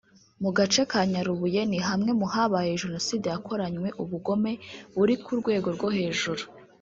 Mu gace ka Nyarubuye ni hamwe mu habaye Jenoside yakoranywe ubugome buri ku rwego rwo hejuru